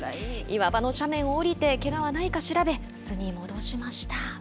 岩場の斜面を下りてけががないか調べ、巣に戻しました。